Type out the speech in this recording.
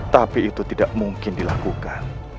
tapi itu tidak mungkin dilakukan